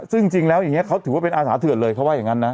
ซึ่งจริงแล้วอย่างนี้เขาถือว่าเป็นอาสาเถื่อนเลยเขาว่าอย่างนั้นนะ